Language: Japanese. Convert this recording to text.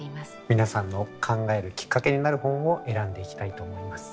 皆さんの考えるきっかけになる本を選んでいきたいと思います。